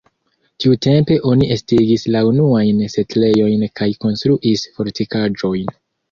Tiutempe oni estigis la unuajn setlejojn kaj konstruis fortikaĵojn.